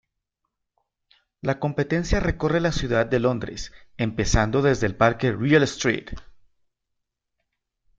La competencia recorre la ciudad de Londres, empezando desde el parque real St.